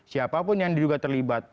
siapapun yang diduga terlibat